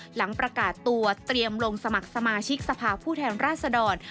หลังประกาศตัวเตรียมลงสมัครสมาชิกสภาพผู้แทนราชดร